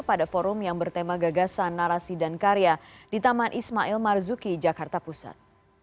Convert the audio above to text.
pada forum yang bertema gagasan narasi dan karya di taman ismail marzuki jakarta pusat